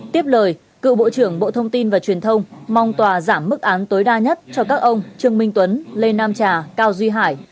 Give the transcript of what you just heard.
tiếp lời cựu bộ trưởng bộ thông tin và truyền thông mong tòa giảm mức án tối đa nhất cho các ông trương minh tuấn lê nam trà cao duy hải